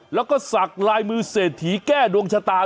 แล้วก็สักลายมือเศรษฐีแก้ดวงชะตา